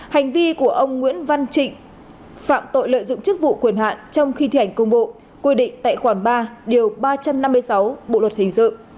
hành vi của ông nguyễn văn trịnh phạm tội lợi dụng chức vụ quyền hạn trong khi thi hành công vụ quy định tại khoản ba điều ba trăm năm mươi sáu bộ luật hình sự